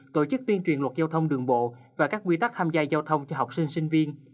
tổ chức tuyên truyền luật giao thông đường bộ và các quy tắc tham gia giao thông cho học sinh sinh viên